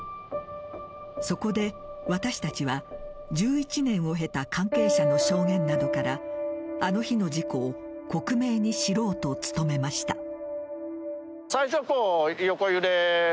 そこで私たちは、１１年を経た関係者の証言などからあの日の事故を克明に知ろうと努めました。